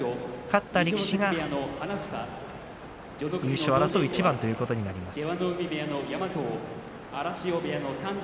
勝った力士が優勝を争う一番へということになります。